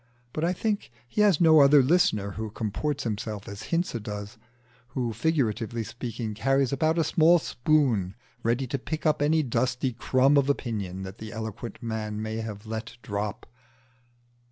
But I think he has no other listener who comports himself as Hinze does who, figuratively speaking, carries about a small spoon ready to pick up any dusty crumb of opinion that the eloquent man may have let drop.